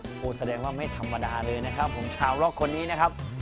ก็แสดงว่าไม่ธรรมดาเลยนะครับของชาวรอกคนนี้นะครับ